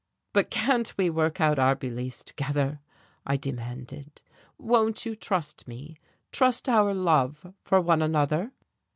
"But can't we work out our beliefs together?" I demanded. "Won't you trust me, trust our love for one another?"